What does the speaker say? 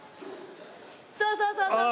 そうそうそうそう。